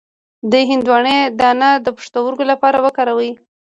د هندواڼې دانه د پښتورګو لپاره وکاروئ